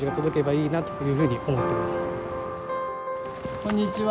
こんにちは。